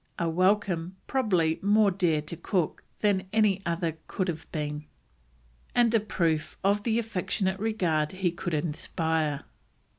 A welcome, probably, more dear to Cook than any other could have been, and a proof of the affectionate regard he could inspire.